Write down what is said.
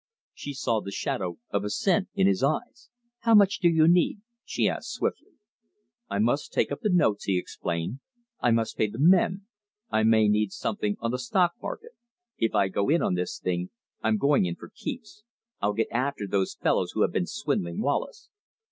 She saw the shadow of assent in his eyes. "How much do you need?" she asked swiftly. "I must take up the notes," he explained. "I must pay the men. I may need something on the stock market. If I go in on this thing, I'm going in for keeps. I'll get after those fellows who have been swindling Wallace.